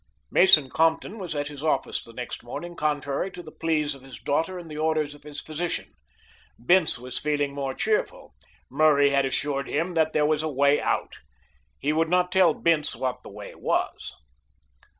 Mason Compton was at his office the next morning, contrary to the pleas of his daughter and the orders of his physician. Bince was feeling more cheerful. Murray had assured him that there was a way out. He would not tell Bince what the way was.